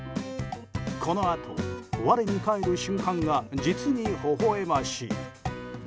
このあと我に返る瞬間が実に、ほほ笑ましい。